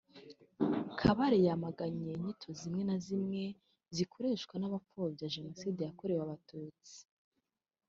Kabare yamaganye inyito zimwe na zimwe zikoreshwa n’abapfobya Jenoside yakorewe Abatutsi